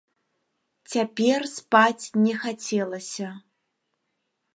Цяпер спаць не хацелася.